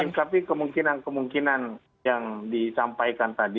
menyikapi kemungkinan kemungkinan yang disampaikan tadi